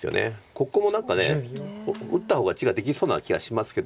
ここも何か打った方が地ができそうな気がしますけど。